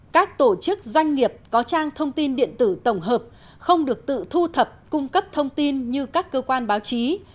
các tổ chức doanh nghiệp có trang thông tin điện tử tổng hợp không được tự thu thập cung cấp thông tin như các cơ quan báo chí